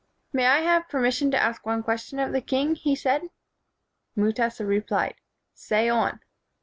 "May I have permission to ask one ques tion of the king?" he said. Mutesa replied, "Say on."